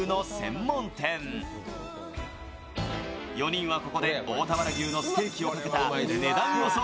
４人は、ここで大田原牛のステーキをかけた値段予想